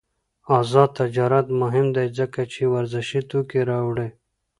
آزاد تجارت مهم دی ځکه چې ورزشي توکي راوړي.